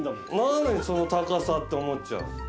何でその高さ？って思っちゃう。